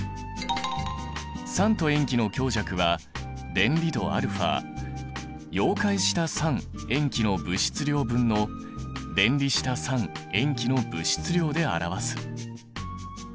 酸と塩基の強弱は電離度α溶解した酸塩基の物質量分の電離した酸塩基の物質量で表す。